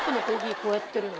こうやってるの。